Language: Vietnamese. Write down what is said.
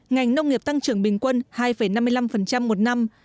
ngành nông nghiệp tăng trưởng bình quân hai năm mươi năm một năm